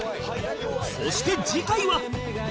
そして次回は